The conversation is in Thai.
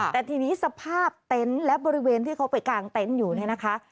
แต่ทีนี้สภาพเต็นต์และบริเวณที่เขาไปกางเต็นต์อยู่เนี่ยนะคะ